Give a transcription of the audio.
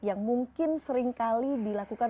yang mungkin seringkali dilakukan